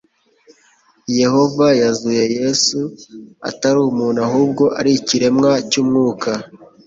yehova yazuye yesu atari umuntu ahubwo ari ikiremwa cy umwuka